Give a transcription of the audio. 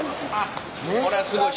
これはすごい。